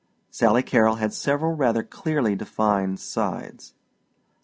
Sally Carrol had several rather clearly defined sides.